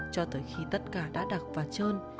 cho tới khi tất cả đã đặc và trơn